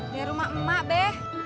dari rumah emak be